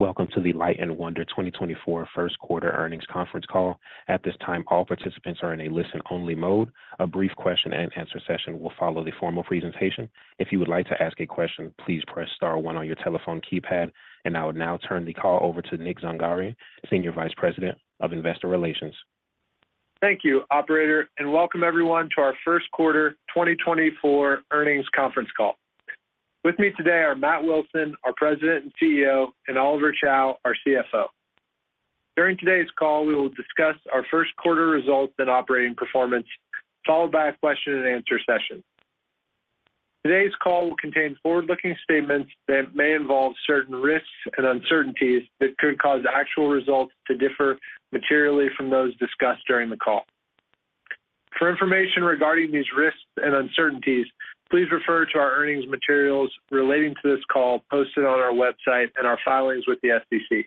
Welcome to the Light & Wonder 2024 first quarter earnings conference call. At this time, all participants are in a listen-only mode. A brief question-and-answer session will follow the formal presentation. If you would like to ask a question, please press star one on your telephone keypad, and I will now turn the call over to Nick Zangari, Senior Vice President of Investor Relations. Thank you, operator, and welcome everyone to our first quarter 2024 earnings conference call. With me today are Matt Wilson, our President and CEO, and Oliver Chow, our CFO. During today's call, we will discuss our first quarter results and operating performance, followed by a question-and-answer session. Today's call will contain forward-looking statements that may involve certain risks and uncertainties that could cause actual results to differ materially from those discussed during the call. For information regarding these risks and uncertainties, please refer to our earnings materials relating to this call posted on our website and our filings with the SEC.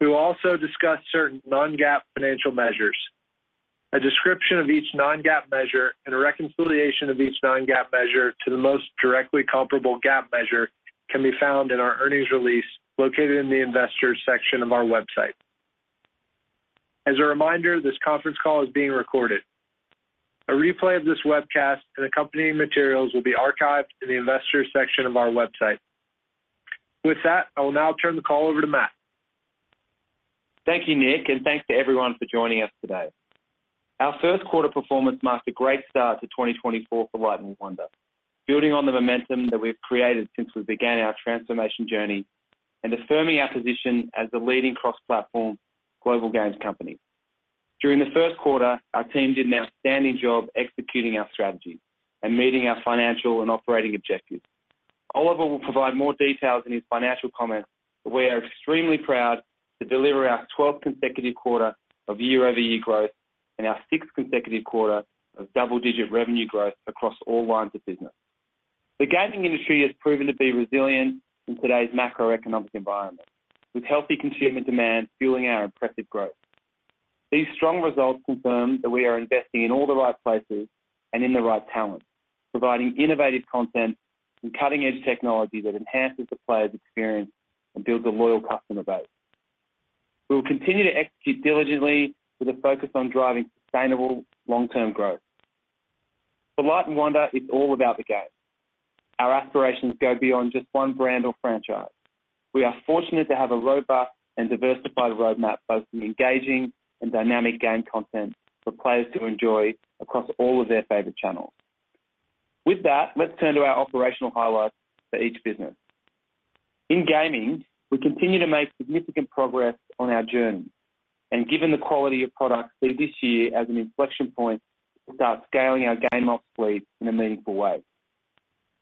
We will also discuss certain non-GAAP financial measures. A description of each non-GAAP measure and a reconciliation of each non-GAAP measure to the most directly comparable GAAP measure can be found in our earnings release located in the Investors section of our website. As a reminder, this conference call is being recorded. A replay of this webcast and accompanying materials will be archived in the Investors section of our website. With that, I will now turn the call over to Matt. Thank you, Nick, and thanks to everyone for joining us today. Our first quarter performance marked a great start to 2024 for Light & Wonder, building on the momentum that we've created since we began our transformation journey and affirming our position as the leading cross-platform global games company. During the first quarter, our team did an outstanding job executing our strategy and meeting our financial and operating objectives. Oliver will provide more details in his financial comments, but we are extremely proud to deliver our 12th consecutive quarter of year-over-year growth and our 6th consecutive quarter of double-digit revenue growth across all lines of business. The gaming industry has proven to be resilient in today's macroeconomic environment, with healthy consumer demand fueling our impressive growth. These strong results confirm that we are investing in all the right places and in the right talent, providing innovative content and cutting-edge technology that enhances the player's experience and builds a loyal customer base. We will continue to execute diligently with a focus on driving sustainable long-term growth. For Light & Wonder, it's all about the game. Our aspirations go beyond just one brand or franchise. We are fortunate to have a robust and diversified roadmap, both in engaging and dynamic game content for players to enjoy across all of their favorite channels. With that, let's turn to our operational highlights for each business. In gaming, we continue to make significant progress on our journey, and given the quality of our products, we see this year as an inflection point to start scaling our gaming fleet in a meaningful way.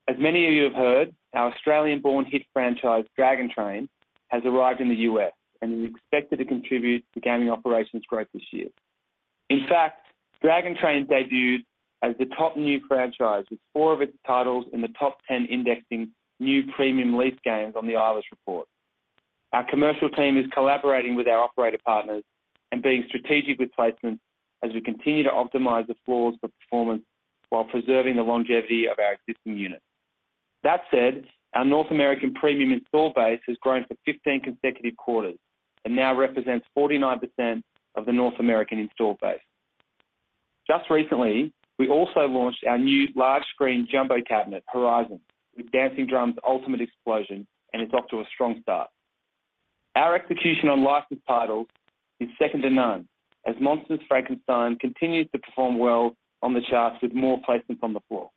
As many of you have heard, our Australian-born hit franchise, Dragon Train, has arrived in the U.S. and is expected to contribute to gaming operations growth this year. In fact, Dragon Train debuted as the top new franchise, with four of its titles in the top 10 indexing new premium lease games on the Eilers Report. Our commercial team is collaborating with our operator partners and being strategic with placements as we continue to optimize the floors for performance while preserving the longevity of our existing units. That said, our North American premium install base has grown for 15 consecutive quarters and now represents 49% of the North American install base. Just recently, we also launched our new large-screen jumbo cabinet, Horizon, with Dancing Drums Ultimate Explosion, and it's off to a strong start. Our execution on licensed titles is second to none, as Universal Monsters: Frankenstein continues to perform well on the charts with more placements on the floor.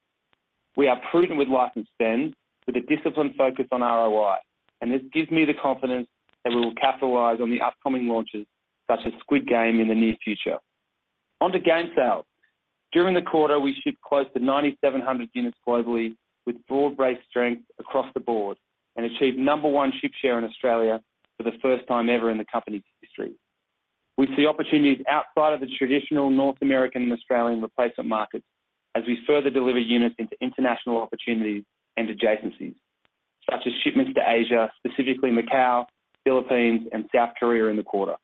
We are prudent with licensed spend with a disciplined focus on ROI, and this gives me the confidence that we will capitalize on the upcoming launches, such as Squid Game, in the near future. On to game sales. During the quarter, we shipped close to 9,700 units globally with broad-based strength across the board and achieved number one ship share in Australia for the first time ever in the company's history. We see opportunities outside of the traditional North American and Australian replacement markets as we further deliver units into international opportunities and adjacencies, such as shipments to Asia, specifically Macau, Philippines, and South Korea, in the quarter.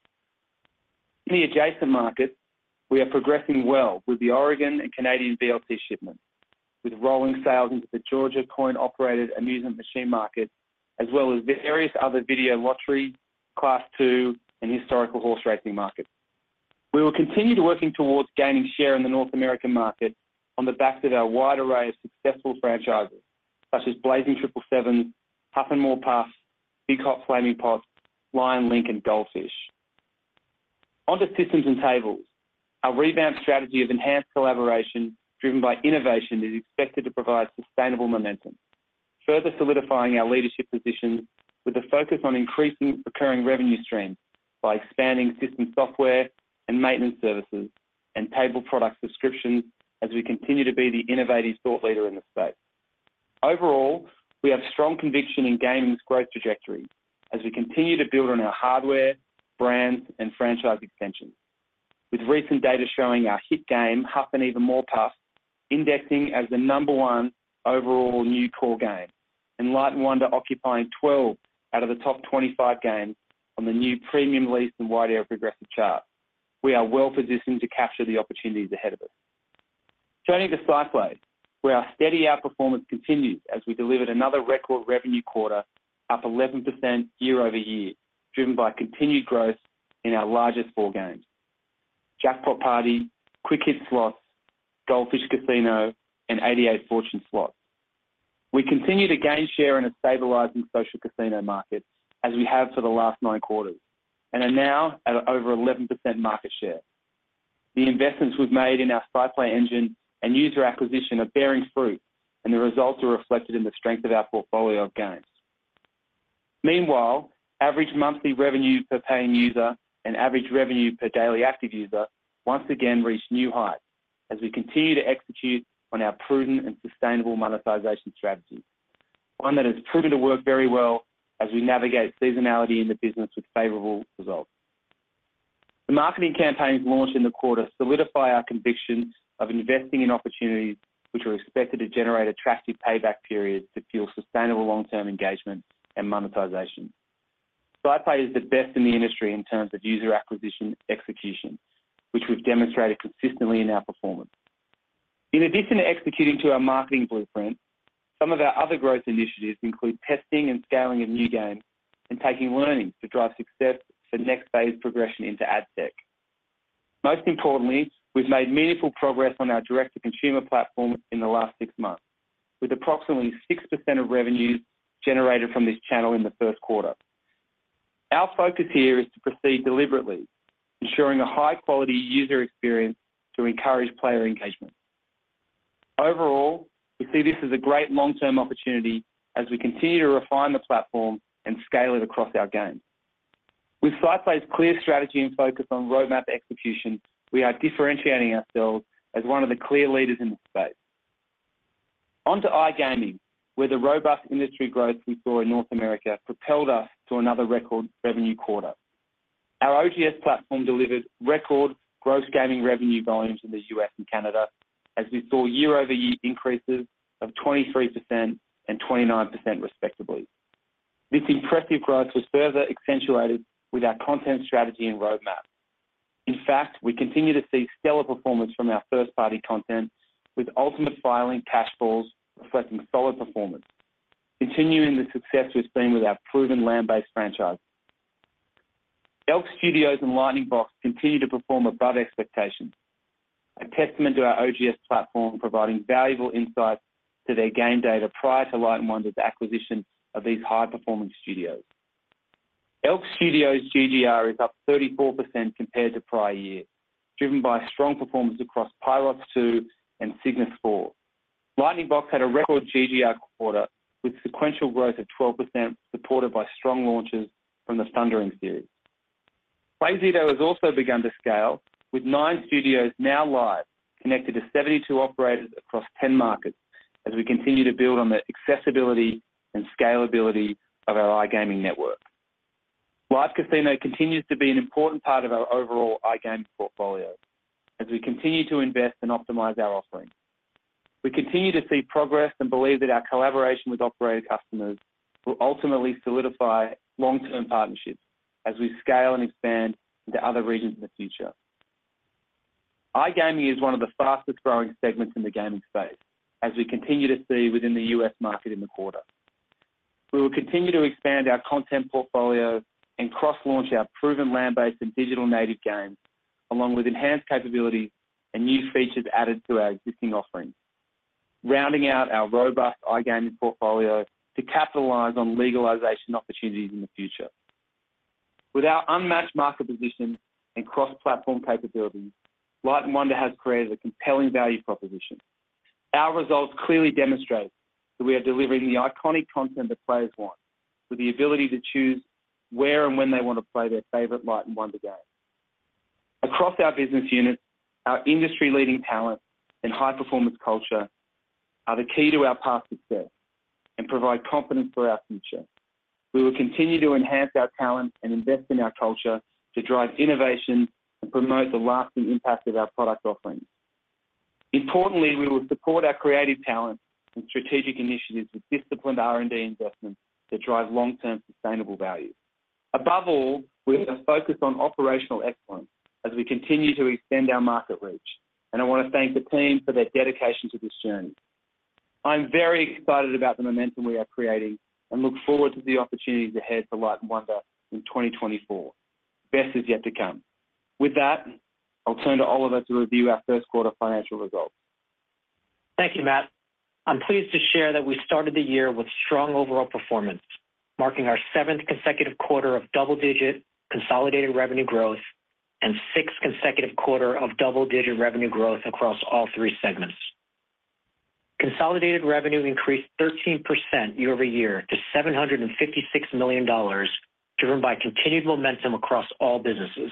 In the adjacent markets, we are progressing well with the Oregon and Canadian VLT shipments, with rolling sales into the Georgia Coin-Operated Amusement Machine market, as well as various other video lottery, Class II, and Historical Horse Racing markets. We will continue to working towards gaining share in the North American market on the back of our wide array of successful franchises, such as Blazing 7s, Huff N' More Puff, Big Hot Flaming Pots, Lion Link, and Gold Fish. On to systems and tables. Our revamped strategy of enhanced collaboration, driven by innovation, is expected to provide sustainable momentum, further solidifying our leadership position with a focus on increasing recurring revenue streams by expanding system software and maintenance services and table product subscriptions as we continue to be the innovative thought leader in the space. Overall, we have strong conviction in gaming's growth trajectory as we continue to build on our hardware, brands, and franchise extensions. With recent data showing our hit game, Huff N' Even More Puff, indexing as the number one overall new core game, and Light & Wonder occupying 12 out of the top 25 games on the new premium lease and wide-area progressive chart. We are well-positioned to capture the opportunities ahead of us. Turning to SciPlay, where our steady outperformance continues as we delivered another record revenue quarter, up 11% year-over-year, driven by continued growth in our largest four games: Jackpot Party, Quick Hit Slots, Gold Fish Casino, and 88 Fortunes Slots. We continue to gain share in a stabilizing social casino market as we have for the last nine quarters, and are now at over 11% market share. The investments we've made in our SciPlay Engine and user acquisition are bearing fruit, and the results are reflected in the strength of our portfolio of games. Meanwhile, average monthly revenue per paying user and average revenue per daily active user once again reached new heights as we continue to execute on our prudent and sustainable monetization strategy. One that has proven to work very well as we navigate seasonality in the business with favorable results. The marketing campaigns launched in the quarter solidify our conviction of investing in opportunities which are expected to generate attractive payback periods that fuel sustainable long-term engagement and monetization. SciPlay is the best in the industry in terms of user acquisition execution, which we've demonstrated consistently in our performance. In addition to executing to our marketing blueprint, some of our other growth initiatives include testing and scaling of new games and taking learnings to drive success for next phase progression into ad tech. Most importantly, we've made meaningful progress on our direct-to-consumer platform in the last six months, with approximately 6% of revenues generated from this channel in the first quarter. Our focus here is to proceed deliberately, ensuring a high-quality user experience to encourage player engagement. Overall, we see this as a great long-term opportunity as we continue to refine the platform and scale it across our games. With SciPlay's clear strategy and focus on roadmap execution, we are differentiating ourselves as one of the clear leaders in the space. On to iGaming, where the robust industry growth we saw in North America propelled us to another record revenue quarter. Our OGS platform delivered record gross gaming revenue volumes in the U.S. and Canada, as we saw year-over-year increases of 23% and 29%, respectively. This impressive growth was further accentuated with our content strategy and roadmap. In fact, we continue to see stellar performance from our first-party content, with Ultimate Fire Link, Cash Falls reflecting solid performance, continuing the success we've seen with our proven land-based franchise. Elk Studios and Lightning Box continue to perform above expectations, a testament to our OGS platform, providing valuable insights to their game data prior to Light & Wonder's acquisition of these high-performing studios. Elk Studios' GGR is up 34% compared to prior year, driven by strong performance across Pirots 2 and Cygnus 4. Lightning Box had a record GGR quarter, with sequential growth of 12%, supported by strong launches from the Thundering series. PlayZido has also begun to scale, with nine studios now live, connected to 72 operators across 10 markets, as we continue to build on the accessibility and scalability of our iGaming network. Live Casino continues to be an important part of our overall iGaming portfolio as we continue to invest and optimize our offerings. We continue to see progress and believe that our collaboration with operator customers will ultimately solidify long-term partnerships as we scale and expand into other regions in the future. iGaming is one of the fastest-growing segments in the gaming space, as we continue to see within the U.S. market in the quarter. We will continue to expand our content portfolio and cross-launch our proven land-based and digital native games, along with enhanced capabilities and new features added to our existing offerings, rounding out our robust iGaming portfolio to capitalize on legalization opportunities in the future. With our unmatched market position and cross-platform capabilities, Light & Wonder has created a compelling value proposition. Our results clearly demonstrate that we are delivering the iconic content that players want, with the ability to choose where and when they want to play their favorite Light & Wonder game. Across our business units, our industry-leading talent and high-performance culture are the key to our past success and provide confidence for our future. We will continue to enhance our talent and invest in our culture to drive innovation and promote the lasting impact of our product offerings. Importantly, we will support our creative talent and strategic initiatives with disciplined R&D investments to drive long-term sustainable value. Above all, we are going to focus on operational excellence as we continue to extend our market reach, and I want to thank the team for their dedication to this journey. I'm very excited about the momentum we are creating and look forward to the opportunities ahead for Light & Wonder in 2024. Best is yet to come. With that, I'll turn to Oliver to review our first quarter financial results. Thank you, Matt. I'm pleased to share that we started the year with strong overall performance, marking our 7th consecutive quarter of double-digit consolidated revenue growth and sixth consecutive quarter of double-digit revenue growth across all three segments. Consolidated revenue increased 13% year-over-year to $756 million, driven by continued momentum across all businesses.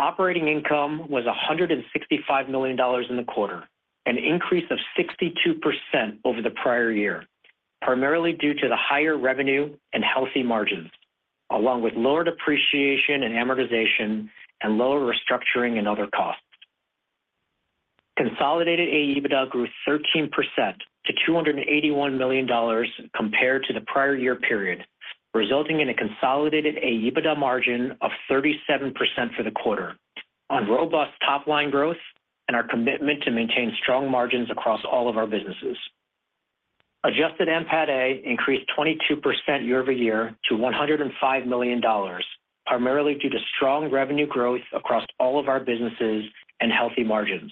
Operating income was $165 million in the quarter, an increase of 62% over the prior year, primarily due to the higher revenue and healthy margins, along with lower depreciation and amortization and lower restructuring and other costs. Consolidated AEBITDA grew 13% to $281 million compared to the prior year period... resulting in a consolidated AEBITDA margin of 37% for the quarter, on robust top-line growth and our commitment to maintain strong margins across all of our businesses. Adjusted NPATA increased 22% year-over-year to $105 million, primarily due to strong revenue growth across all of our businesses and healthy margins.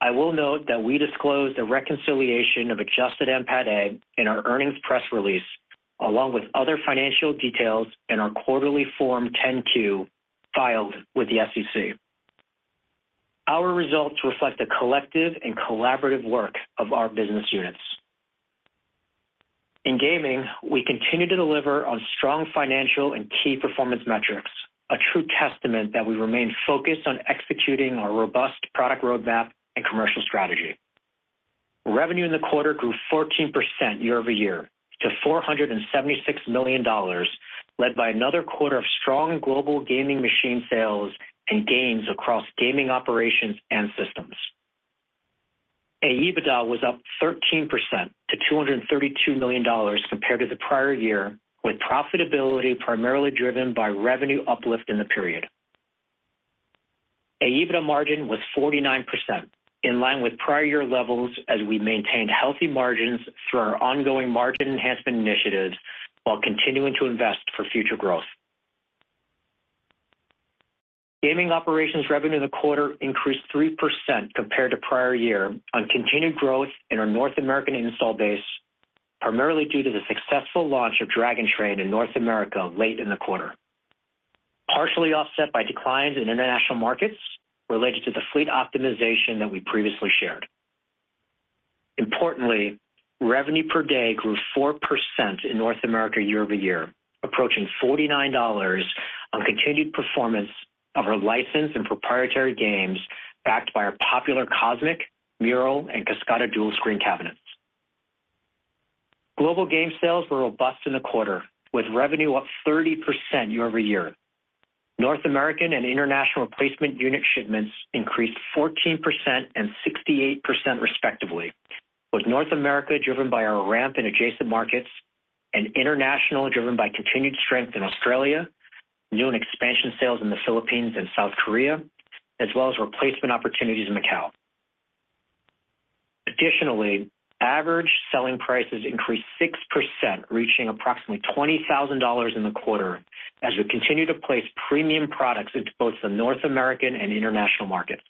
I will note that we disclosed a reconciliation of Adjusted NPATA in our earnings press release, along with other financial details in our quarterly Form 10-Q filed with the SEC. Our results reflect the collective and collaborative work of our business units. In gaming, we continue to deliver on strong financial and key performance metrics, a true testament that we remain focused on executing our robust product roadmap and commercial strategy. Revenue in the quarter grew 14% year-over-year to $476 million, led by another quarter of strong global gaming machine sales and gains across gaming operations and systems. AEBITDA was up 13% to $232 million compared to the prior year, with profitability primarily driven by revenue uplift in the period. AEBITDA margin was 49%, in line with prior year levels as we maintained healthy margins through our ongoing margin enhancement initiatives, while continuing to invest for future growth. Gaming operations revenue in the quarter increased 3% compared to prior year on continued growth in our North American install base, primarily due to the successful launch of Dragon Train in North America late in the quarter, partially offset by declines in international markets related to the fleet optimization that we previously shared. Importantly, revenue per day grew 4% in North America year-over-year, approaching $49 on continued performance of our licensed and proprietary games, backed by our popular Cosmic, Mural, and Cascada dual-screen cabinets. Global game sales were robust in the quarter, with revenue up 30% year-over-year. North American and international replacement unit shipments increased 14% and 68% respectively, with North America driven by our ramp in adjacent markets and international driven by continued strength in Australia, new and expansion sales in the Philippines and South Korea, as well as replacement opportunities in Macau. Additionally, average selling prices increased 6%, reaching approximately $20,000 in the quarter, as we continue to place premium products into both the North American and international markets.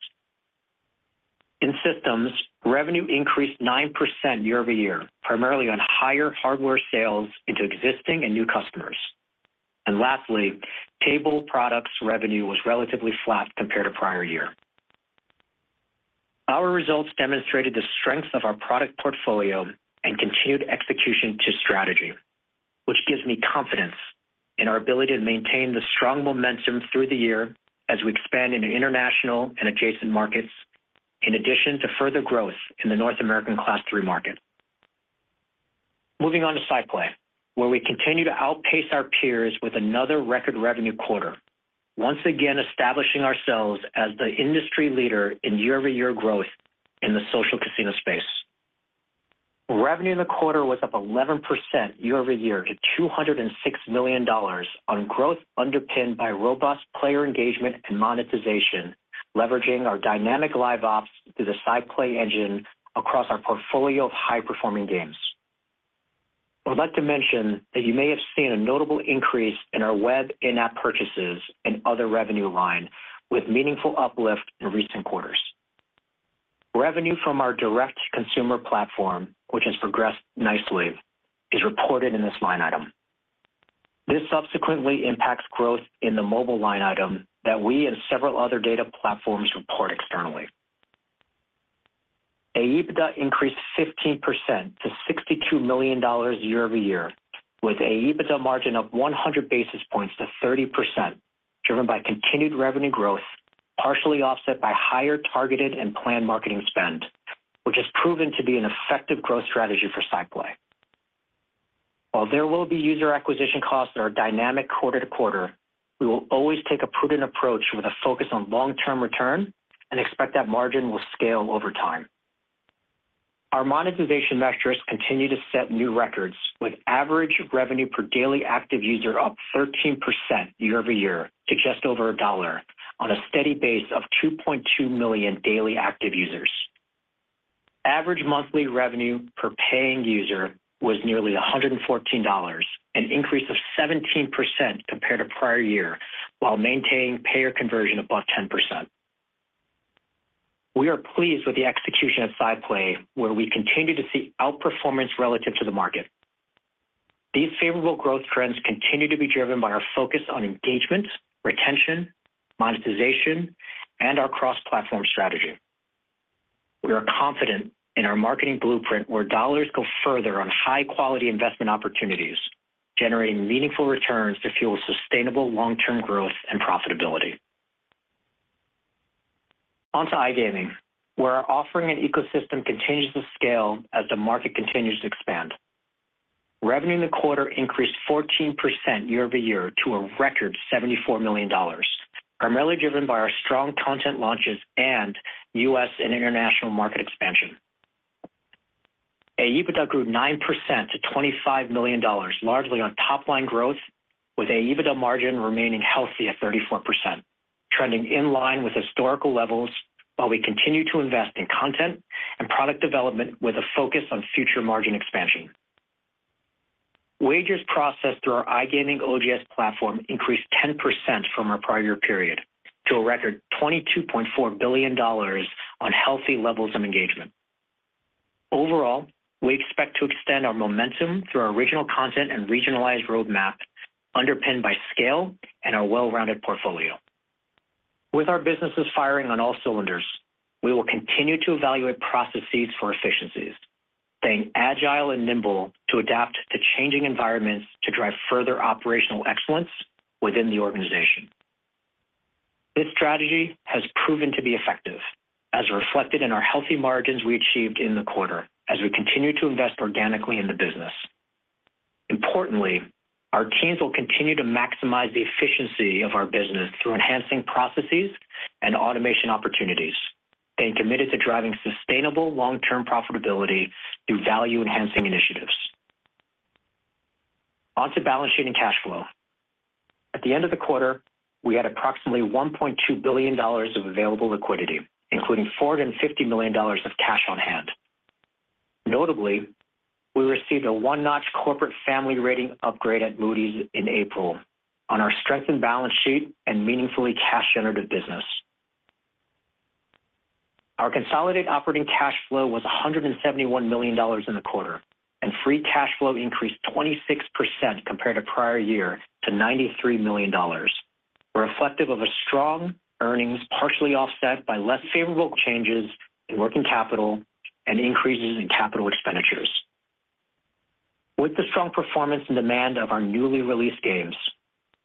In systems, revenue increased 9% year-over-year, primarily on higher hardware sales into existing and new customers. And lastly, table products revenue was relatively flat compared to prior year. Our results demonstrated the strength of our product portfolio and continued execution to strategy, which gives me confidence in our ability to maintain the strong momentum through the year as we expand into international and adjacent markets, in addition to further growth in the North American Class III market. Moving on to SciPlay, where we continue to outpace our peers with another record revenue quarter, once again, establishing ourselves as the industry leader in year-over-year growth in the social casino space. Revenue in the quarter was up 11% year-over-year to $206 million on growth underpinned by robust player engagement and monetization, leveraging our dynamic Live Ops through the SciPlay Engine across our portfolio of high-performing games. I'd like to mention that you may have seen a notable increase in our web in-app purchases and other revenue line, with meaningful uplift in recent quarters. Revenue from our direct consumer platform, which has progressed nicely, is reported in this line item. This subsequently impacts growth in the mobile line item that we and several other data platforms report externally. AEBITDA increased 15% to $62 million year-over-year, with AEBITDA margin up 100 basis points to 30%, driven by continued revenue growth, partially offset by higher targeted and planned marketing spend, which has proven to be an effective growth strategy for SciPlay. While there will be user acquisition costs that are dynamic quarter to quarter, we will always take a prudent approach with a focus on long-term return and expect that margin will scale over time. Our monetization metrics continue to set new records, with average revenue per daily active user up 13% year-over-year to just over $1 on a steady base of 2.2 million daily active users. Average monthly revenue per paying user was nearly $114, an increase of 17% compared to prior year, while maintaining payer conversion above 10%. We are pleased with the execution of SciPlay, where we continue to see outperformance relative to the market. These favorable growth trends continue to be driven by our focus on engagement, retention, monetization, and our cross-platform strategy. We are confident in our marketing blueprint, where dollars go further on high-quality investment opportunities, generating meaningful returns to fuel sustainable long-term growth and profitability. On to iGaming, where our offering and ecosystem continues to scale as the market continues to expand. Revenue in the quarter increased 14% year-over-year to a record $74 million, primarily driven by our strong content launches and U.S. and international market expansion. AEBITDA grew 9% to $25 million, largely on top-line growth, with AEBITDA margin remaining healthy at 34%, trending in line with historical levels, while we continue to invest in content and product development with a focus on future margin expansion. Wagers processed through our iGaming OGS platform increased 10% from our prior year period to a record $22.4 billion on healthy levels of engagement. Overall, we expect to extend our momentum through our original content and regionalized roadmap, underpinned by scale and our well-rounded portfolio. With our businesses firing on all cylinders, we will continue to evaluate processes for efficiencies, staying agile and nimble to adapt to changing environments to drive further operational excellence within the organization. This strategy has proven to be effective, as reflected in our healthy margins we achieved in the quarter as we continue to invest organically in the business. Importantly, our teams will continue to maximize the efficiency of our business through enhancing processes and automation opportunities, staying committed to driving sustainable long-term profitability through value-enhancing initiatives. On to balance sheet and cash flow. At the end of the quarter, we had approximately $1.2 billion of available liquidity, including $450 million of cash on hand. Notably, we received a one-notch corporate family rating upgrade at Moody's in April on our strengthened balance sheet and meaningfully cash generative business. Our consolidated operating cash flow was $171 million in the quarter, and free cash flow increased 26% compared to prior year to $93 million. This reflects strong earnings, partially offset by less favorable changes in working capital and increases in capital expenditures. With the strong performance and demand of our newly released games,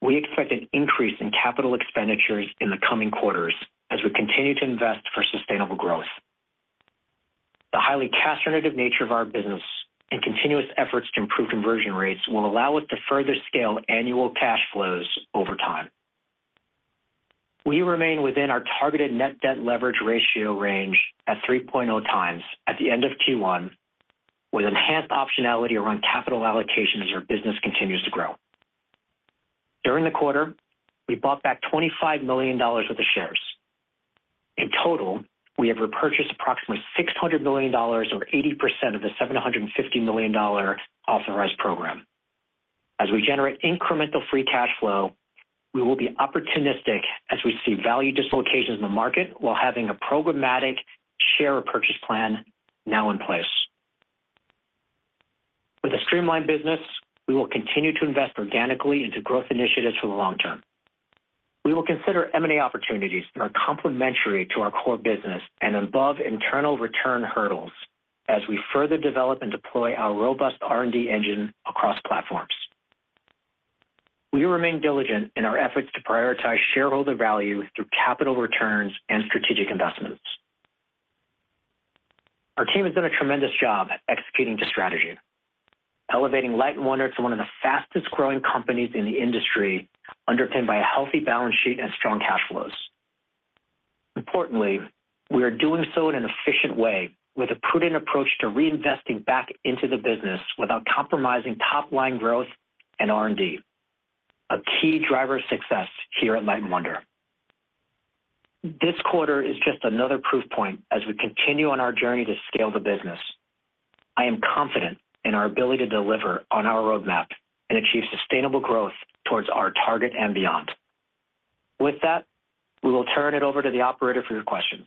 we expect an increase in capital expenditures in the coming quarters as we continue to invest for sustainable growth. The highly cash generative nature of our business and continuous efforts to improve conversion rates will allow us to further scale annual cash flows over time. We remain within our targeted net debt leverage ratio range at 3.0x at the end of Q1, with enhanced optionality around capital allocation as our business continues to grow. During the quarter, we bought back $25 million worth of shares. In total, we have repurchased approximately $600 million or 80% of the $750 million authorized program. As we generate incremental free cash flow, we will be opportunistic as we see value dislocations in the market, while having a programmatic share purchase plan now in place. With a streamlined business, we will continue to invest organically into growth initiatives for the long term. We will consider M&A opportunities that are complementary to our core business and above internal return hurdles as we further develop and deploy our robust R&D engine across platforms. We remain diligent in our efforts to prioritize shareholder value through capital returns and strategic investments. Our team has done a tremendous job at executing the strategy, elevating Light & Wonder to one of the fastest-growing companies in the industry, underpinned by a healthy balance sheet and strong cash flows. Importantly, we are doing so in an efficient way, with a prudent approach to reinvesting back into the business without compromising top-line growth and R&D, a key driver of success here at Light & Wonder. This quarter is just another proof point as we continue on our journey to scale the business. I am confident in our ability to deliver on our roadmap and achieve sustainable growth towards our target and beyond. With that, we will turn it over to the operator for your questions.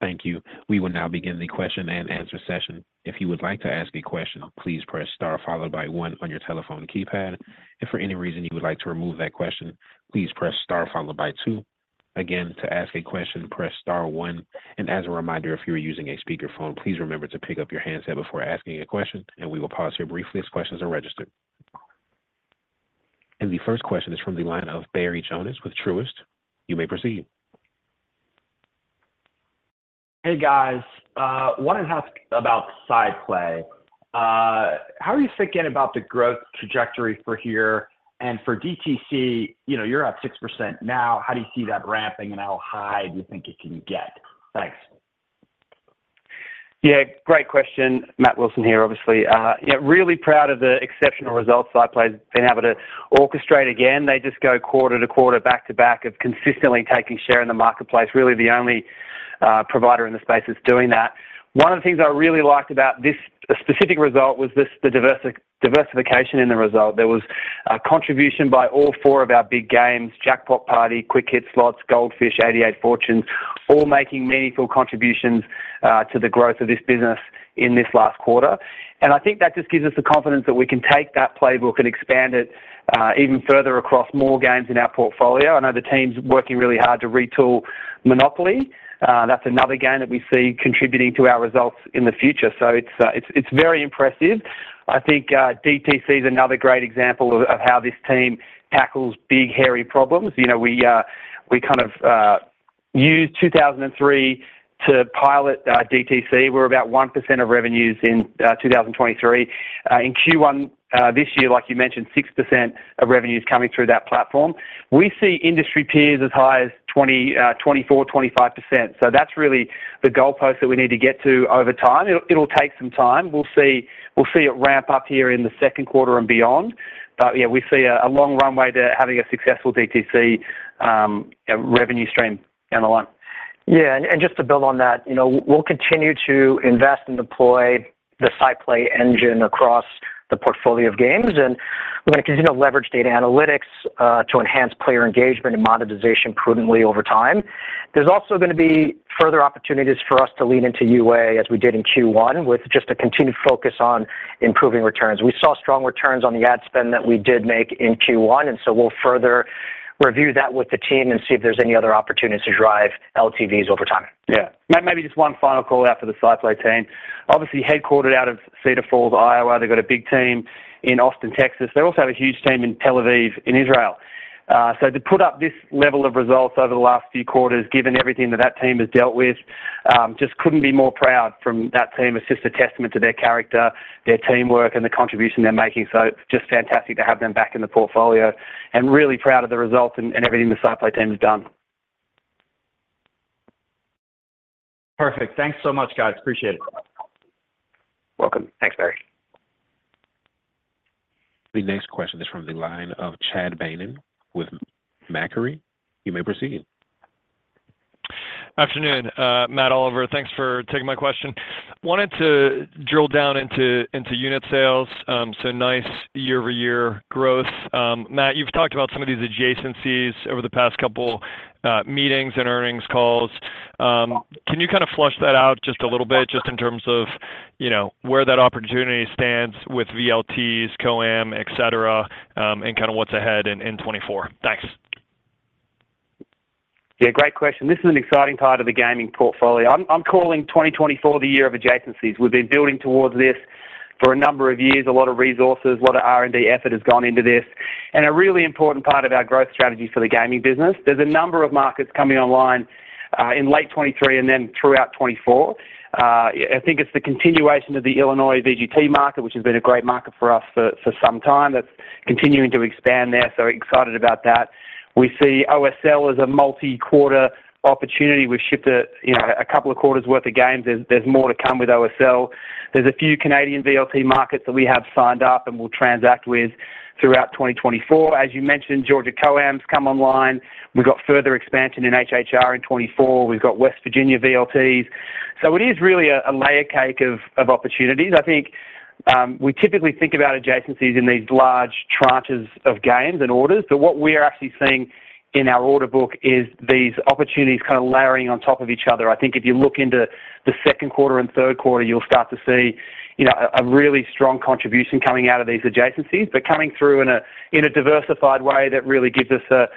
Thank you. We will now begin the question-and-answer session. If you would like to ask a question, please press star followed by one on your telephone keypad. If for any reason you would like to remove that question, please press star followed by two. Again, to ask a question, press star one. As a reminder, if you are using a speakerphone, please remember to pick up your handset before asking a question, and we will pause here briefly as questions are registered. The first question is from the line of Barry Jonas with Truist. You may proceed. Hey, guys, wanted to ask about SciPlay. How are you thinking about the growth trajectory for here and for DTC? You know, you're up 6% now. How do you see that ramping, and how high do you think it can get? Thanks. Yeah, great question. Matt Wilson here, obviously. Yeah, really proud of the exceptional results SciPlay's been able to orchestrate again. They just go quarter to quarter, back-to-back of consistently taking share in the marketplace. Really, the only provider in the space that's doing that. One of the things I really liked about this specific result was this, the diversification in the result. There was a contribution by all four of our big games, Jackpot Party, Quick Hit Slots, Gold Fish, 88 Fortunes, all making meaningful contributions to the growth of this business in this last quarter. And I think that just gives us the confidence that we can take that playbook and expand it even further across more games in our portfolio. I know the team's working really hard to retool Monopoly. That's another game that we see contributing to our results in the future. So it's very impressive. I think DTC is another great example of how this team tackles big, hairy problems. You know, we kind of used 2003,... to pilot DTC, we're about 1% of revenues in 2023. In Q1 this year, like you mentioned, 6% of revenue is coming through that platform. We see industry peers as high as 24%-25%. So that's really the goalpost that we need to get to over time. It'll, it'll take some time. We'll see, we'll see it ramp up here in the second quarter and beyond. But, yeah, we see a long runway to having a successful DTC revenue stream down the line. Yeah, and just to build on that, you know, we'll continue to invest and deploy the SciPlay Engine across the portfolio of games, and we're gonna continue to leverage data analytics to enhance player engagement and monetization prudently over time. There's also gonna be further opportunities for us to lean into UA, as we did in Q1, with just a continued focus on improving returns. We saw strong returns on the ad spend that we did make in Q1, and so we'll further review that with the team and see if there's any other opportunities to drive LTVs over time. Yeah. Maybe just one final call out for the SciPlay team. Obviously, headquartered out of Cedar Falls, Iowa. They've got a big team in Austin, Texas. They also have a huge team in Tel Aviv, in Israel. So to put up this level of results over the last few quarters, given everything that that team has dealt with, just couldn't be more proud from that team. It's just a testament to their character, their teamwork, and the contribution they're making, so just fantastic to have them back in the portfolio, and really proud of the results and, and everything the SciPlay team has done. Perfect. Thanks so much, guys. Appreciate it. Welcome. Thanks, Barry. The next question is from the line of Chad Beynon with Macquarie. You may proceed. Afternoon, Matt, Oliver. Thanks for taking my question. Wanted to drill down into unit sales. So nice year-over-year growth. Matt, you've talked about some of these adjacencies over the past couple meetings and earnings calls. Can you kind of flesh that out just a little bit, just in terms of, you know, where that opportunity stands with VLTs, COAM, et cetera, and kind of what's ahead in 2024? Thanks. Yeah, great question. This is an exciting part of the gaming portfolio. I'm calling 2024 the year of adjacencies. We've been building towards this for a number of years, a lot of resources, a lot of R&D effort has gone into this, and a really important part of our growth strategy for the gaming business. There's a number of markets coming online in late 2023 and then throughout 2024. I think it's the continuation of the Illinois VGT market, which has been a great market for us for some time. That's continuing to expand there, so excited about that. We see OSL as a multi-quarter opportunity. We've shipped, you know, a couple of quarters worth of games. There's more to come with OSL. There's a few Canadian VLT markets that we have signed up and will transact with throughout 2024. As you mentioned, Georgia COAMs come online. We've got further expansion in HHR in 2024. We've got West Virginia VLTs. So it is really a layer cake of opportunities. I think we typically think about adjacencies in these large tranches of games and orders, but what we're actually seeing in our order book is these opportunities kind of layering on top of each other. I think if you look into the second quarter and third quarter, you'll start to see, you know, a really strong contribution coming out of these adjacencies, but coming through in a diversified way that really gives us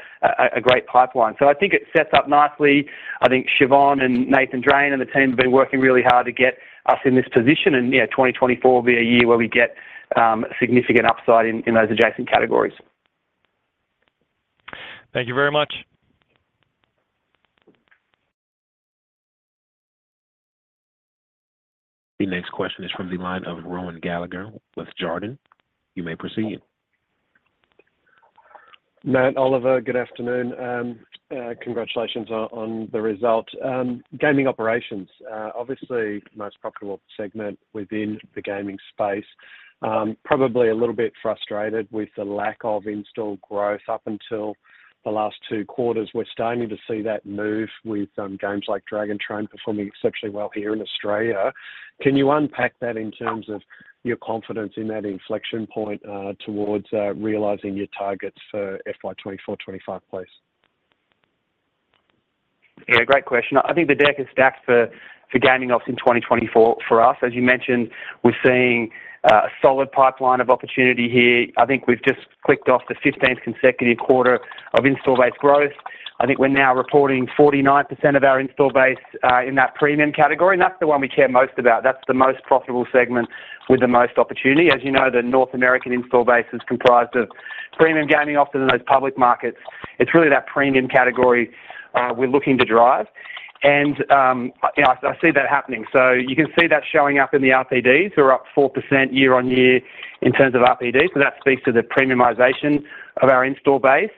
a great pipeline. So I think it sets up nicely. I think Siobhan and Nathan Drane and the team have been working really hard to get us in this position, and, yeah, 2024 will be a year where we get significant upside in those adjacent categories. Thank you very much. The next question is from the line of Rohan Gallagher with Jarden. You may proceed. Matt, Oliver, good afternoon, congratulations on, on the result. Gaming operations, obviously, the most profitable segment within the gaming space. Probably a little bit frustrated with the lack of install growth up until the last two quarters. We're starting to see that move with, games like Dragon Train performing exceptionally well here in Australia. Can you unpack that in terms of your confidence in that inflection point, towards, realizing your targets for FY 2024, 2025, please? Yeah, great question. I think the deck is stacked for gaming ops in 2024 for us. As you mentioned, we're seeing a solid pipeline of opportunity here. I think we've just clicked off the 15th consecutive quarter of install base growth. I think we're now reporting 49% of our install base in that premium category, and that's the one we care most about. That's the most profitable segment with the most opportunity. As you know, the North American install base is comprised of premium gaming ops in those public markets. It's really that premium category we're looking to drive. Yeah, I see that happening. So you can see that showing up in the RPDs. We're up 4% year-on-year in terms of RPD, so that speaks to the premiumization of our install base.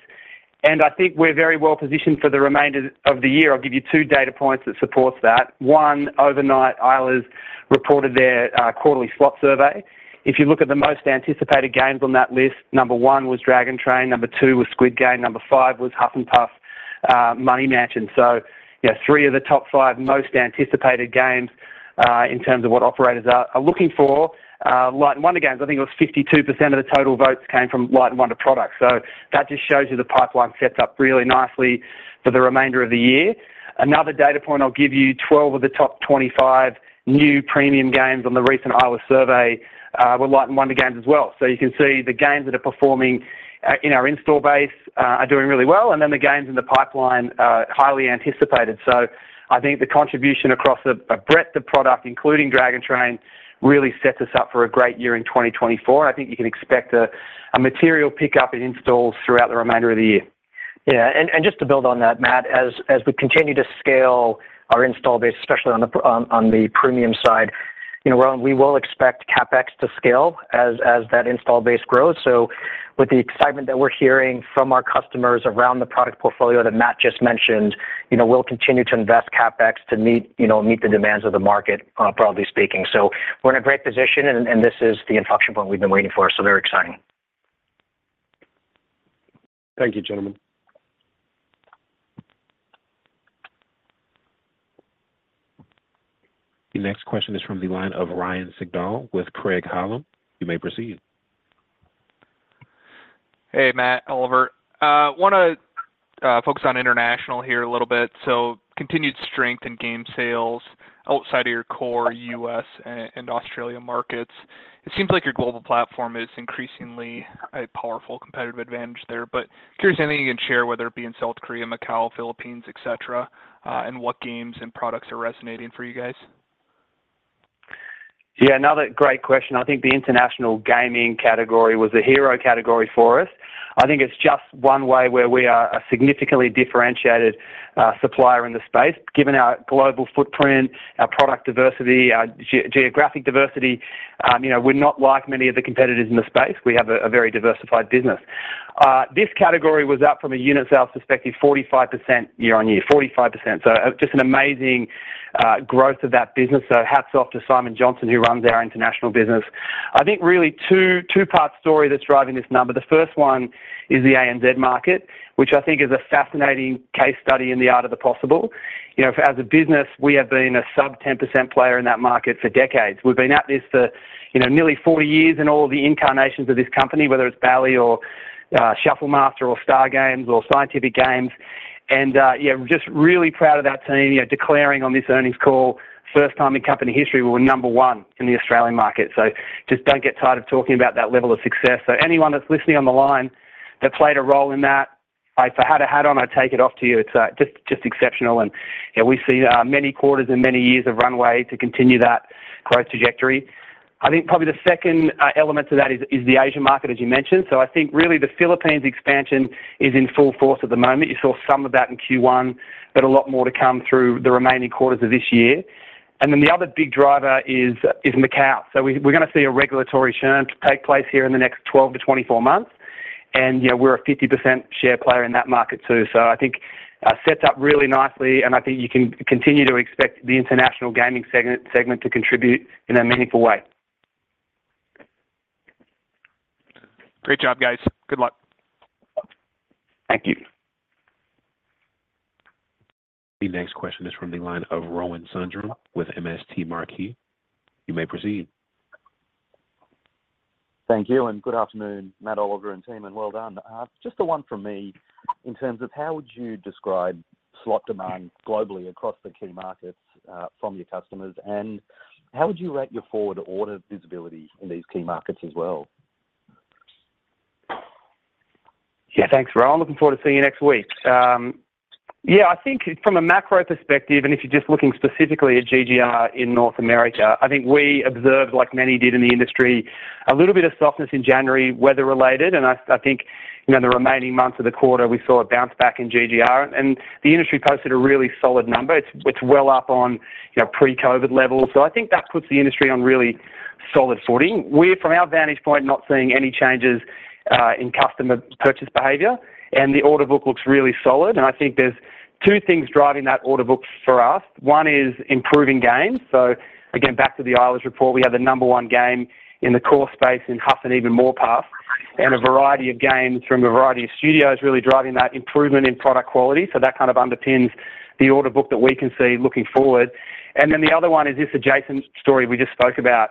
And I think we're very well positioned for the remainder of the year. I'll give you two data points that support that. One, overnight, Eilers reported their quarterly slot survey. If you look at the most anticipated games on that list, number one was Dragon Train, number two was Squid Game, number five was Huff N' Puff, Money Mansion. So, yeah, three of the top five most anticipated games, in terms of what operators are looking for, Light & Wonder games. I think it was 52% of the total votes came from Light & Wonder products. So that just shows you the pipeline sets up really nicely for the remainder of the year. Another data point I'll give you, 12 of the top 25 new premium games on the recent Eilers survey, were Light & Wonder games as well. So you can see the games that are performing in our install base are doing really well, and then the games in the pipeline are highly anticipated. So I think the contribution across a breadth of product, including Dragon Train, really sets us up for a great year in 2024. I think you can expect a material pickup in installs throughout the remainder of the year.... Yeah, and just to build on that, Matt, as we continue to scale our install base, especially on the premium side, you know, we will expect CapEx to scale as that install base grows. So with the excitement that we're hearing from our customers around the product portfolio that Matt just mentioned, you know, we'll continue to invest CapEx to meet, you know, meet the demands of the market, broadly speaking. So we're in a great position, and this is the inflection point we've been waiting for, so very exciting. Thank you, gentlemen. The next question is from the line of Ryan Sigdahl with Craig-Hallum. You may proceed. Hey, Matt, Oliver. Wanna focus on international here a little bit. So continued strength in game sales outside of your core US and Australia markets. It seems like your global platform is increasingly a powerful competitive advantage there, but curious anything you can share, whether it be in South Korea, Macau, Philippines, et cetera, and what games and products are resonating for you guys? Yeah, another great question. I think the international gaming category was a hero category for us. I think it's just one way where we are a significantly differentiated supplier in the space. Given our global footprint, our product diversity, our geographic diversity, you know, we're not like many of the competitors in the space. We have a very diversified business. This category was up from a unit sales perspective, 45% year-on-year, 45%. So, just an amazing growth of that business. So hats off to Simon Johnson, who runs our international business. I think really two-part story that's driving this number. The first one is the A.N.Z market, which I think is a fascinating case study in the art of the possible. You know, as a business, we have been a sub-10% player in that market for decades. We've been at this for, you know, nearly 40 years in all the incarnations of this company, whether it's Bally or, Shuffle Master or Star Games or Scientific Games. And, yeah, just really proud of our team, you know, declaring on this earnings call, first time in company history, we're number one in the Australian market. So just don't get tired of talking about that level of success. So anyone that's listening on the line that played a role in that, if I had a hat on, I'd take it off to you. It's, just, just exceptional, and, yeah, we see, many quarters and many years of runway to continue that growth trajectory. I think probably the second, element to that is the Asian market, as you mentioned. So I think really the Philippines expansion is in full force at the moment. You saw some of that in Q1, but a lot more to come through the remaining quarters of this year. And then the other big driver is Macau. So we're gonna see a regulatory churn take place here in the next 12-24 months, and, you know, we're a 50% share player in that market, too. So I think sets up really nicely, and I think you can continue to expect the international gaming segment to contribute in a meaningful way. Great job, guys. Good luck. Thank you. The next question is from the line of Rohan Sundram with MST Marquee. You may proceed. Thank you, and good afternoon, Matt, Oliver, and team, and well done. Just the one from me in terms of how would you describe slot demand globally across the key markets, from your customers, and how would you rate your forward order visibility in these key markets as well? Yeah, thanks, Rohan. Looking forward to seeing you next week. Yeah, I think from a macro perspective, and if you're just looking specifically at GGR in North America, I think we observed, like many did in the industry, a little bit of softness in January, weather-related, and I think, you know, in the remaining months of the quarter, we saw a bounce back in GGR, and the industry posted a really solid number. It's well up on, you know, pre-COVID levels. So I think that puts the industry on really solid footing. We, from our vantage point, not seeing any changes in customer purchase behavior, and the order book looks really solid, and I think there's two things driving that order book for us. One is improving games. So again, back to the Eilers report, we have the number one game in the core space in Huff N' Even More Puff, and a variety of games from a variety of studios really driving that improvement in product quality. So that kind of underpins the order book that we can see looking forward. And then the other one is this adjacent story we just spoke about.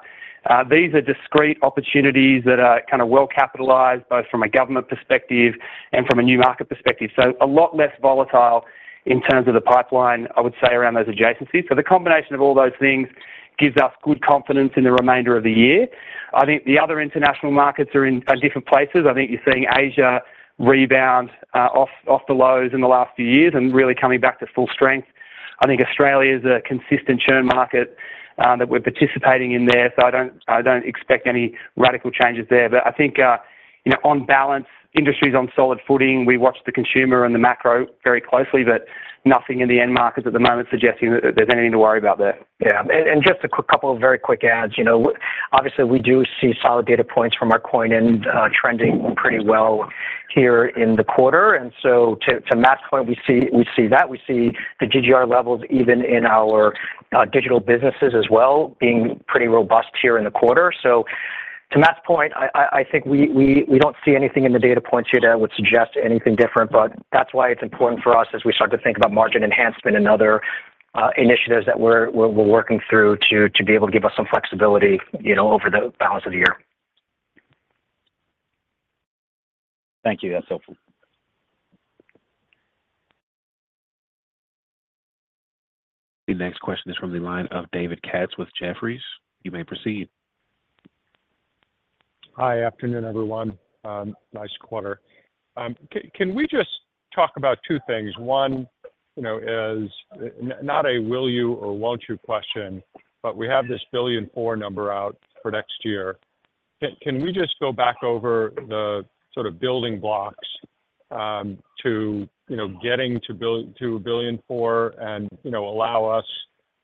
These are discrete opportunities that are kind of well-capitalized, both from a government perspective and from a new market perspective. So a lot less volatile in terms of the pipeline, I would say, around those adjacencies. So the combination of all those things gives us good confidence in the remainder of the year. I think the other international markets are in different places. I think you're seeing Asia rebound off the lows in the last few years and really coming back to full strength. I think Australia is a consistent churn market that we're participating in there, so I don't expect any radical changes there. But I think you know, on balance, industry's on solid footing. We watch the consumer and the macro very closely, but nothing in the end markets at the moment suggesting that there's anything to worry about there. Yeah, and just a quick couple of very quick adds. You know, obviously, we do see solid data points from our coin in trending pretty well here in the quarter, and so to Matt's point, we see that. We see the GGR levels, even in our digital businesses as well, being pretty robust here in the quarter. So to Matt's point, I think we don't see anything in the data points here that would suggest anything different, but that's why it's important for us as we start to think about margin enhancement and other initiatives that we're working through to be able to give us some flexibility, you know, over the balance of the year. Thank you. That's helpful. The next question is from the line of David Katz with Jefferies. You may proceed. Hi. Afternoon, everyone. Nice quarter. Can we just talk about two things? One, you know, is not a will you or won't you question, but we have this $1.4 billion number out for next year. Can we just go back over the sort of building blocks to, you know, getting to build to a $1.4 billion and, you know, allow us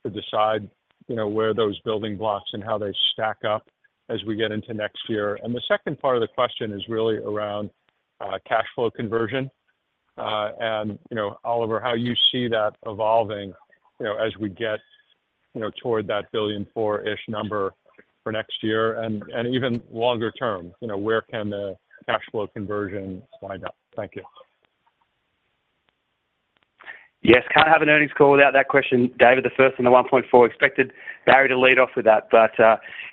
to decide, you know, where those building blocks and how they stack up as we get into next year? And the second part of the question is really around cash flow conversion. And, you know, Oliver, how you see that evolving, you know, as we get, you know, toward that $1.4 billion-ish number for next year and, and even longer term, you know, where can the cash flow conversion wind up? Thank you. Yes, can't have an earnings call without that question, David, the first on the 1.4. Expected Barry to lead off with that, but,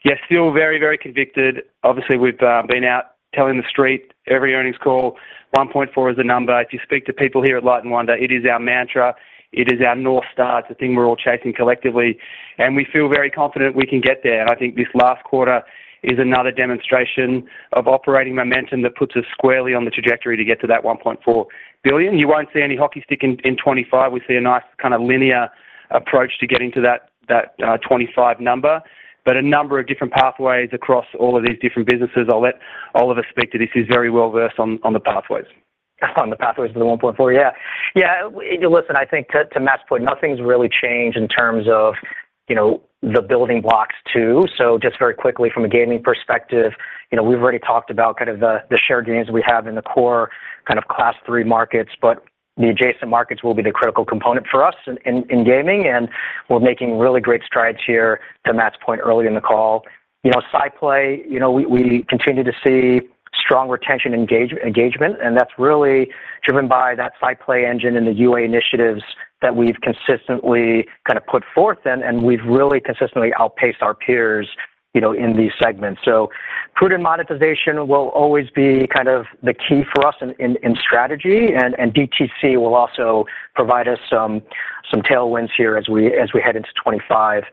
yes, still very, very convicted. Obviously, we've been out telling the street every earnings call, 1.4 is the number. If you speak to people here at Light & Wonder, it is our mantra, it is our North Star. It's the thing we're all chasing collectively, and we feel very confident we can get there. And I think this last quarter is another demonstration of operating momentum that puts us squarely on the trajectory to get to that $1.4 billion. You won't see any hockey stick in 2025. We see a nice kind of linear approach to getting to that 2025 number, but a number of different pathways across all of these different businesses. I'll let Oliver speak to this. He's very well versed on the pathways. On the pathways to the 1.4, yeah. Yeah, listen, I think to Matt's point, nothing's really changed in terms of, you know, the building blocks, too. So just very quickly, from a gaming perspective, you know, we've already talked about kind of the shared gains we have in the core kind of Class III markets, but the adjacent markets will be the critical component for us in gaming, and we're making really great strides here, to Matt's point earlier in the call. You know, SciPlay, you know, we continue to see strong retention engagement, and that's really driven by that SciPlay Engine and the UA initiatives that we've consistently kind of put forth then, and we've really consistently outpaced our peers, you know, in these segments. So prudent monetization will always be kind of the key for us in strategy, and DTC will also provide us some tailwinds here as we head into 2025.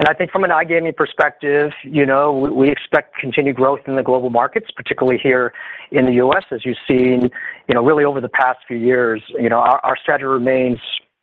And I think from an iGaming perspective, you know, we expect continued growth in the global markets, particularly here in the U.S. As you've seen, you know, really over the past few years, you know, our strategy remains,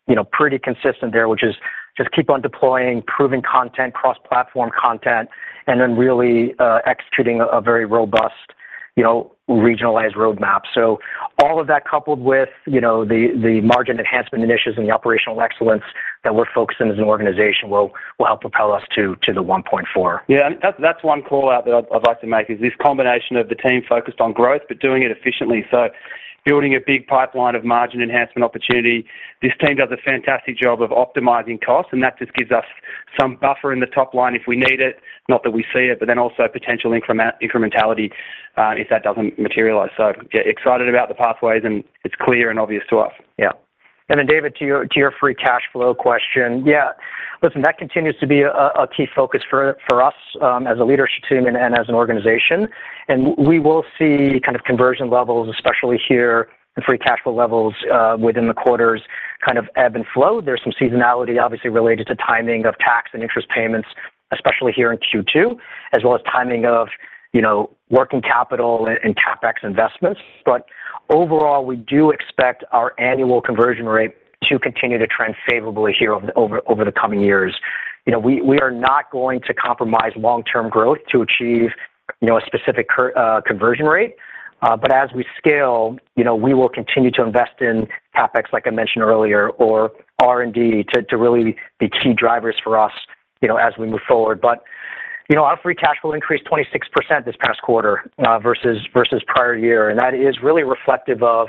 you know, pretty consistent there, which is just keep on deploying proven content, cross-platform content, and then really executing a very robust, you know, regionalized roadmap. So all of that, coupled with, you know, the margin enhancement initiatives and the operational excellence that we're focusing on as an organization, will help propel us to the 1.4. Yeah, and that's, that's one call-out that I'd, I'd like to make, is this combination of the team focused on growth, but doing it efficiently. So building a big pipeline of margin enhancement opportunity. This team does a fantastic job of optimizing costs, and that just gives us some buffer in the top line if we need it, not that we see it, but then also potential incrementality if that doesn't materialize. So yeah, excited about the pathways, and it's clear and obvious to us. Yeah. And then, David, to your free cash flow question, yeah. Listen, that continues to be a key focus for us as a leadership team and as an organization. We will see kind of conversion levels, especially here, and free cash flow levels within the quarters, kind of ebb and flow. There's some seasonality, obviously, related to timing of tax and interest payments, especially here in Q2, as well as timing of, you know, working capital and CapEx investments. But overall, we do expect our annual conversion rate to continue to trend favorably here over the coming years. You know, we are not going to compromise long-term growth to achieve, you know, a specific conversion rate, but as we scale, you know, we will continue to invest in CapEx, like I mentioned earlier, or R&D, to really be key drivers for us, you know, as we move forward. But, you know, our free cash flow increased 26% this past quarter, versus prior year, and that is really reflective of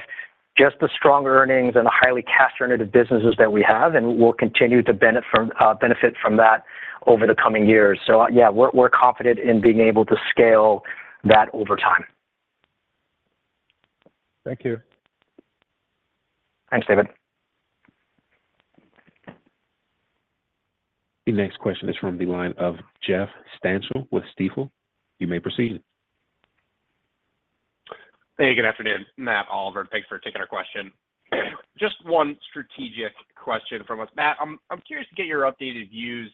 just the strong earnings and the highly cash-oriented businesses that we have, and we'll continue to benefit from that over the coming years. So yeah, we're confident in being able to scale that over time. Thank you. Thanks, David. The next question is from the line of Jeff Stantial with Stifel. You may proceed. Hey, good afternoon, Matt, Oliver. Thanks for taking our question. Just one strategic question from us. Matt, I'm, I'm curious to get your updated views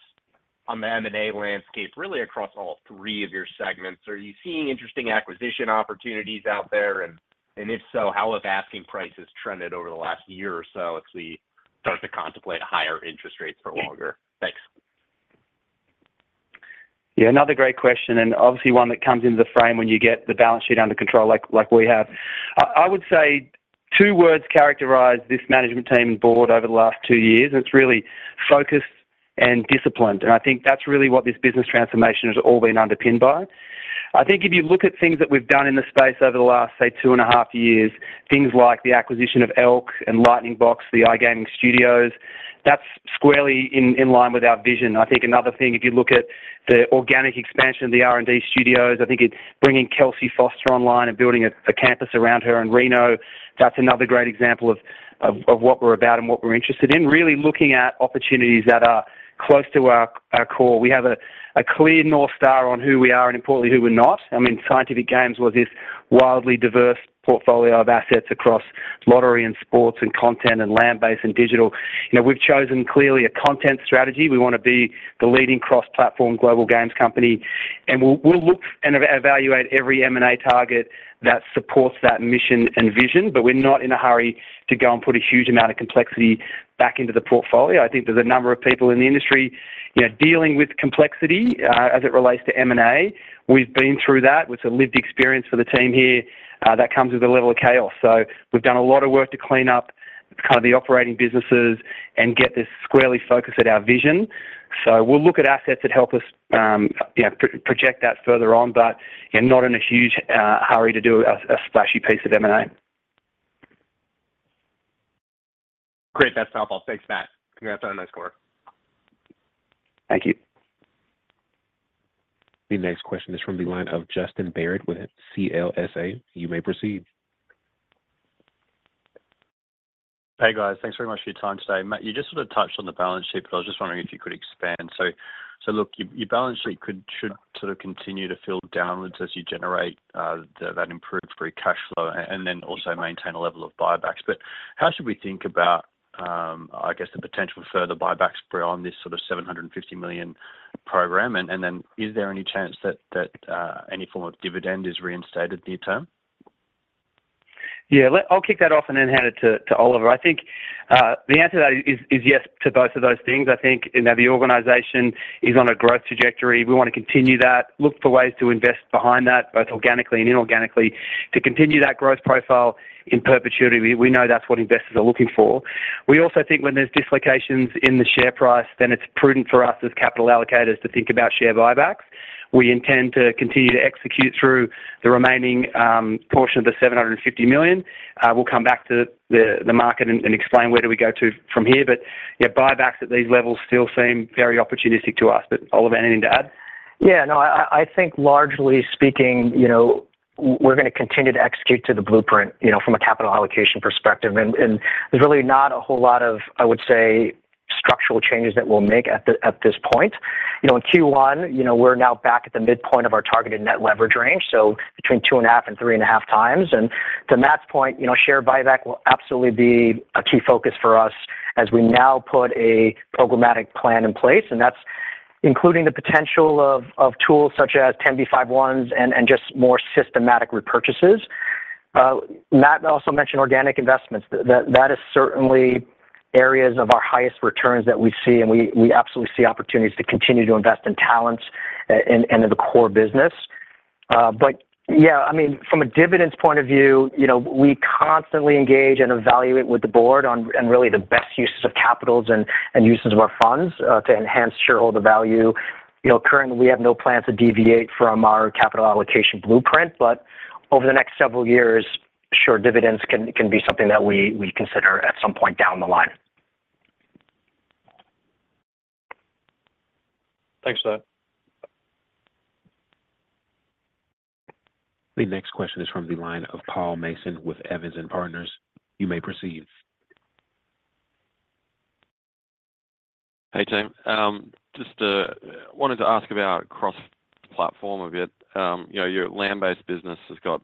on the M&A landscape, really across all three of your segments. Are you seeing interesting acquisition opportunities out there? And, and if so, how have asking prices trended over the last year or so as we start to contemplate higher interest rates for longer? Thanks. Yeah, another great question, and obviously one that comes into the frame when you get the balance sheet under control, like, like we have. I, I would say two words characterize this management team and board over the last two years, and it's really focused and disciplined, and I think that's really what this business transformation has all been underpinned by. I think if you look at things that we've done in this space over the last, say, 2.5 years, things like the acquisition of Elk and Lightning Box, the iGaming studios, that's squarely in, in line with our vision. I think another thing, if you look at the organic expansion of the R&D studios, I think it's bringing Kelsey Foster online and building a, a campus around her in Reno. That's another great example of what we're about and what we're interested in, really looking at opportunities that are close to our core. We have a clear North Star on who we are and importantly, who we're not. I mean, Scientific Games was this wildly diverse portfolio of assets across lottery, and sports, and content, and land-based, and digital. You know, we've chosen, clearly, a content strategy. We want to be the leading cross-platform global games company, and we'll look and evaluate every M&A target that supports that mission and vision, but we're not in a hurry to go and put a huge amount of complexity back into the portfolio. I think there's a number of people in the industry. Yeah, dealing with complexity as it relates to M&A, we've been through that. It's a lived experience for the team here that comes with a level of chaos. So we've done a lot of work to clean up kind of the operating businesses and get this squarely focused at our vision. So we'll look at assets that help us, yeah, project that further on, but, yeah, not in a huge hurry to do a splashy piece of M&A. Great! That's helpful. Thanks, Matt. Congrats on a nice quarter. Thank you. The next question is from the line of Justin Barratt with CLSA. You may proceed. Hey, guys. Thanks very much for your time today. Matt, you just sort of touched on the balance sheet, but I was just wondering if you could expand. So look, your balance sheet could - should sort of continue to fill downwards as you generate that improved free cash flow and then also maintain a level of buybacks. But how should we think about, I guess, the potential further buybacks beyond this sort of $750 million program? And then is there any chance that that any form of dividend is reinstated near term? Yeah, I'll kick that off and then hand it to Oliver. I think the answer to that is yes to both of those things. I think, you know, the organization is on a growth trajectory. We wanna continue that, look for ways to invest behind that, both organically and inorganically, to continue that growth profile in perpetuity. We know that's what investors are looking for. We also think when there's dislocations in the share price, then it's prudent for us as capital allocators to think about share buybacks. We intend to continue to execute through the remaining portion of the $750 million. We'll come back to the market and explain where do we go to from here. But, yeah, buybacks at these levels still seem very opportunistic to us. But, Oliver, anything to add? Yeah, no, I think largely speaking, you know, we're gonna continue to execute to the blueprint, you know, from a capital allocation perspective. And there's really not a whole lot of, I would say, structural changes that we'll make at this point. You know, in Q1, you know, we're now back at the midpoint of our targeted net leverage range, so between 2.5x and 3.5x. And to Matt's point, you know, share buyback will absolutely be a key focus for us as we now put a programmatic plan in place, and that's including the potential of tools such as 10b5-1s and just more systematic repurchases. Matt also mentioned organic investments. That is certainly areas of our highest returns that we see, and we absolutely see opportunities to continue to invest in talent and in the core business. But yeah, I mean, from a dividends point of view, you know, we constantly engage and evaluate with the board on and really the best uses of capital and uses of our funds to enhance shareholder value. You know, currently, we have no plans to deviate from our capital allocation blueprint, but over the next several years, sure, dividends can be something that we consider at some point down the line. Thanks for that. The next question is from the line of Paul Mason with Evans and Partners. You may proceed. Hey, team. Just wanted to ask about cross-platform a bit. You know, your land-based business has got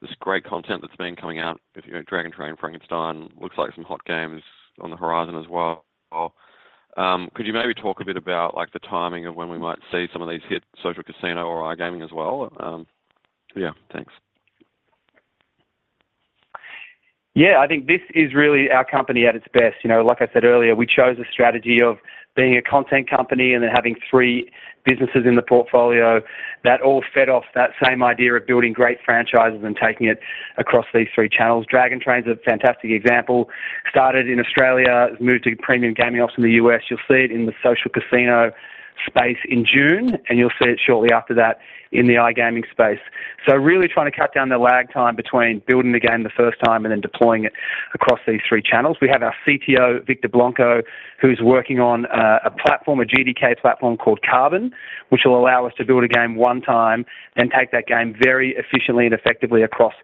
this great content that's been coming out. Like you know, Dragon Train, Frankenstein, looks like some hot games on the horizon as well. Could you maybe talk a bit about, like, the timing of when we might see some of these hit social casino or iGaming as well? Yeah, thanks. Yeah, I think this is really our company at its best. You know, like I said earlier, we chose a strategy of being a content company and then having three businesses in the portfolio that all fed off that same idea of building great franchises and taking it across these three channels. Dragon Train is a fantastic example. Started in Australia, moved to premium gaming ops in the U.S. You'll see it in the social casino space in June, and you'll see it shortly after that in the iGaming space. So really trying to cut down the lag time between building the game the first time and then deploying it across these three channels. We have our CTO, Victor Blanco, who's working on a platform, a GDK platform called Carbon, which will allow us to build a game one time and take that game very efficiently and effectively across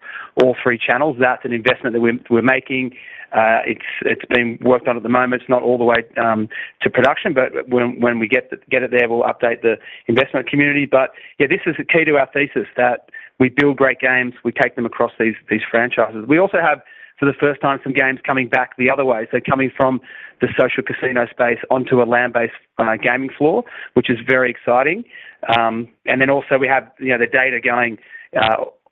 all three channels. That's an investment that we're making. It's being worked on at the moment. It's not all the way to production, but when we get it there, we'll update the investment community. But yeah, this is a key to our thesis, that we build great games, we take them across these franchises. We also have, for the first time, some games coming back the other way. So coming from the social casino space onto a land-based gaming floor, which is very exciting. And then also we have, you know, the data going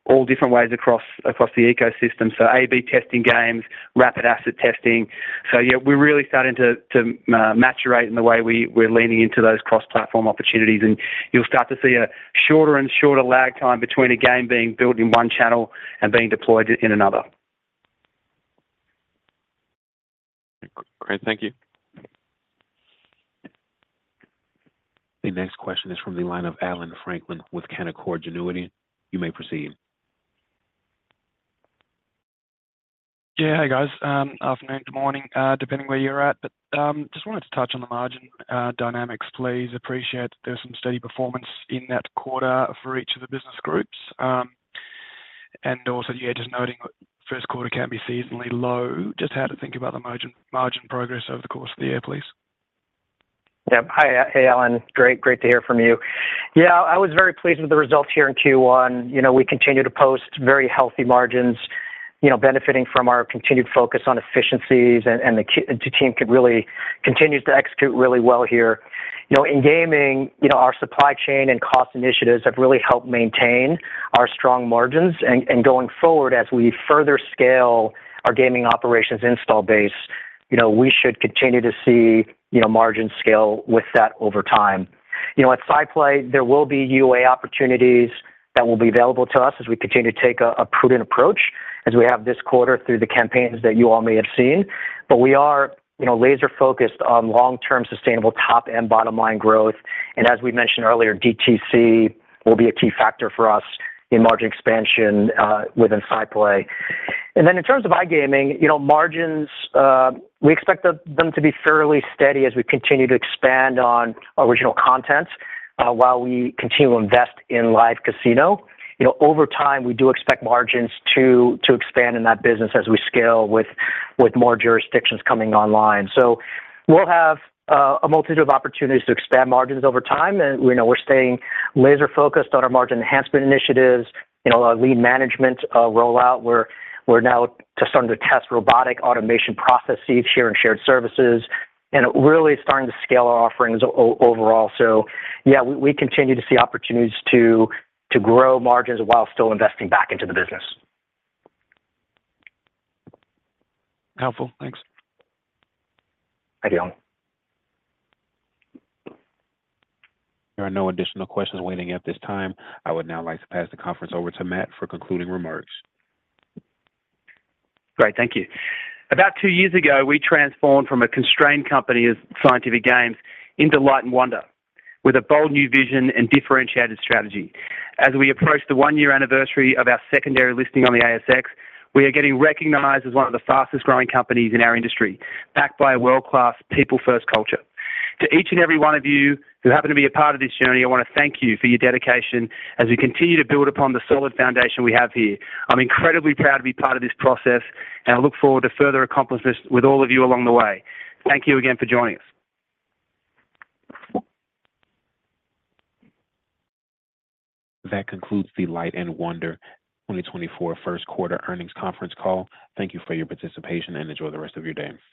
all different ways across the ecosystem. A/B testing games, rapid asset testing. Yeah, we're really starting to mature in the way we're leaning into those cross-platform opportunities, and you'll start to see a shorter and shorter lag time between a game being built in one channel and being deployed in another. Great. Thank you. The next question is from the line of Allan Franklin with Canaccord Genuity. You may proceed. Yeah. Hey, guys. Afternoon, good morning, depending where you're at. But just wanted to touch on the margin dynamics, please. Appreciate there's some steady performance in that quarter for each of the business groups. And also, yeah, just noting that first quarter can be seasonally low. Just how to think about the margin, margin progress over the course of the year, please? Yeah. Hi. Hey, Alan. Great, great to hear from you. Yeah, I was very pleased with the results here in Q1. You know, we continue to post very healthy margins, you know, benefiting from our continued focus on efficiencies and the team continues to execute really well here. You know, in gaming, you know, our supply chain and cost initiatives have really helped maintain our strong margins. And going forward, as we further scale our gaming operations install base, you know, we should continue to see, you know, margin scale with that over time. You know, at SciPlay, there will be UA opportunities that will be available to us as we continue to take a prudent approach, as we have this quarter through the campaigns that you all may have seen. But we are, you know, laser-focused on long-term, sustainable top and bottom-line growth, and as we mentioned earlier, DTC will be a key factor for us in margin expansion within SciPlay. And then in terms of iGaming, you know, margins, we expect them to be fairly steady as we continue to expand on original content while we continue to invest in live casino. You know, over time, we do expect margins to expand in that business as we scale with more jurisdictions coming online. So we'll have a multitude of opportunities to expand margins over time, and we know we're staying laser-focused on our margin enhancement initiatives. You know, our Lean management rollout, we're now just starting to test robotic automation processes here in shared services, and really starting to scale our offerings overall. Yeah, we continue to see opportunities to grow margins while still investing back into the business. Helpful. Thanks. Thank you. There are no additional questions waiting at this time. I would now like to pass the conference over to Matt for concluding remarks. Great, thank you. About two years ago, we transformed from a constrained company as Scientific Games into Light & Wonder, with a bold new vision and differentiated strategy. As we approach the one-year anniversary of our secondary listing on the ASX, we are getting recognized as one of the fastest-growing companies in our industry, backed by a world-class, people-first culture. To each and every one of you who happen to be a part of this journey, I wanna thank you for your dedication as we continue to build upon the solid foundation we have here. I'm incredibly proud to be part of this process, and I look forward to further accomplishments with all of you along the way. Thank you again for joining us. That concludes the Light & Wonder 2024 first quarter earnings conference call. Thank you for your participation, and enjoy the rest of your day.